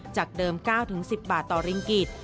จากเดิม๙๑๐บาทต่อริงกิจ